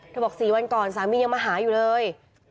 บอก๔วันก่อนสามียังมาหาอยู่เลย